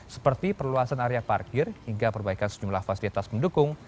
seperti perluasan area parkir hingga perbaikan sejumlah fasilitas pendukung